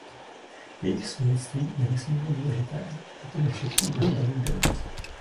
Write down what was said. Jejich svědectví je nesmírně důležité, protože všichni brzy odejdou.